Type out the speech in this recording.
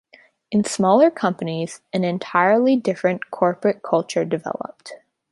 In smaller companies, an entirely different corporate culture developed.